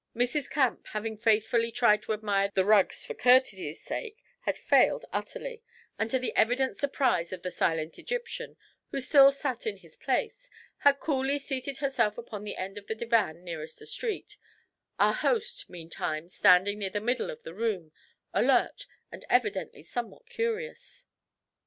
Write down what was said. Mrs. Camp, having faithfully tried to admire the rugs for courtesy's sake, had failed utterly; and to the evident surprise of the silent Egyptian, who still sat in his place, had coolly seated herself upon the end of the divan nearest the street, our host, meantime, standing near the middle of the room, alert, and evidently somewhat curious.